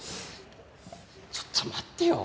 ちょっと待ってよ。